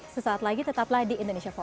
sesaat lagi tetaplah di indonesia forwar